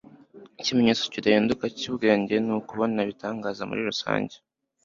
ikimenyetso kidahinduka cy'ubwenge ni ukubona ibitangaza muri rusange